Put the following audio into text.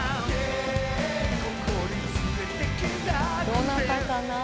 どなたかな？